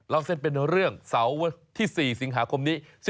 เส้นเป็นเรื่องเสาร์ที่๔สิงหาคมนี้